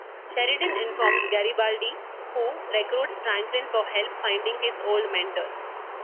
Sheridan informs Garibaldi who recruits Franklin for help finding his old mentor.